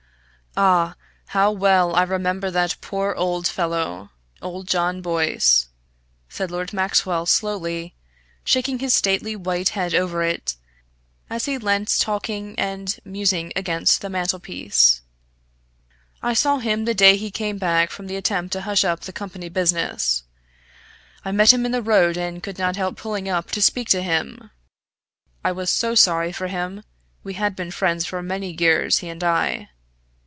"Ah, how well I remember that poor old fellow old John Boyce," said Lord Maxwell, slowly, shaking his stately white head over it, as he leant talking and musing against the mantelpiece. "I saw him the day he came back from the attempt to hush up the company business. I met him in the road, and could not help pulling up to speak to him. I was so sorry for him. We had been friends for many years, he and I.